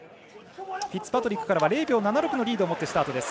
フィッツパトリックからは０秒７６のリードでスタート。